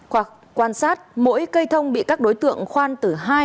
hoặc quan sát mỗi cây thông bị các đối tượng khoan tự nhiên